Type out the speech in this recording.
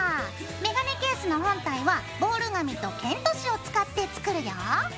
メガネケースの本体はボール紙とケント紙を使って作るよ。